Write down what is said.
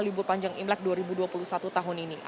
libur panjang imlek dua ribu dua puluh satu tahun ini